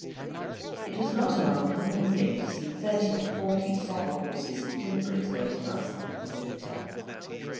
It was not an uncommon thing to see thirty or forty saddle horses and tilburys waiting outside this hotel.